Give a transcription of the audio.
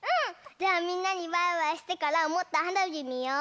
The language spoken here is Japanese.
じゃあみんなにバイバイしてからもっとはなびみよう！